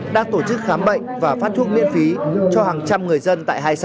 đã tổ chức khám bệnh và phát thuốc miễn phí cho hàng trăm người dân